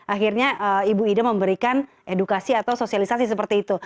akhirnya ibu ida memberikan edukasi atau sosialisasi seperti itu